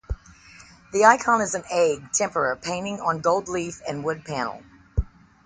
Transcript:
The icon is an egg tempera painting on gold leaf and wood panel.